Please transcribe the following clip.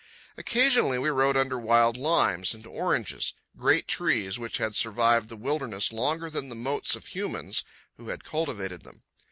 Occasionally we rode under wild limes and oranges—great trees which had survived the wilderness longer than the motes of humans who had cultivated them.